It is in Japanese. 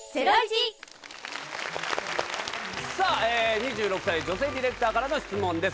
２６歳女性ディレクターからの質問です。